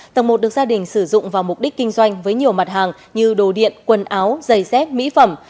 tầng một được gia đình sử dụng vào mục đích kinh doanh với nhiều mặt hàng như đồ điện quần áo giày dép mỹ phẩm